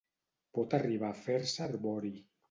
Pot arribar a fer-se arbori.